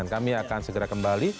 kami akan segera kembali